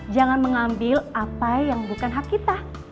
jangan mengambil apa yang bukan hak kita